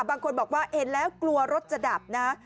บางคนบอกว่าเห็นแล้วกลัวรถจะดับนะ